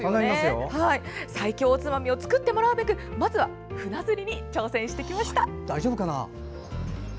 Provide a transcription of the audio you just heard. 最強おつまみを作ってもらうべくまずは船釣りに挑戦してきました。